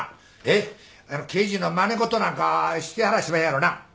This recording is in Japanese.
刑事のまね事なんかしてはらしまへんやろな？